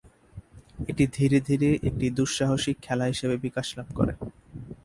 এটি ধীরে ধীরে একটি দুঃসাহসিক খেলা হিসেবে বিকাশ লাভ করে।